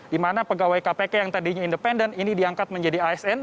di mana pegawai kpk yang tadinya independen ini diangkat menjadi asn